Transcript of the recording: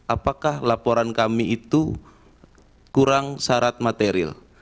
apakah laporan kami itu kurang syarat material